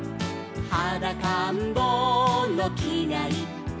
「はだかんぼうのきがいっぽん」